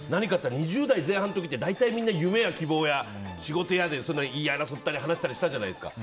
２０代前半の時って大体みんな夢や希望や仕事やで言い争ったり話したりしたじゃないですか。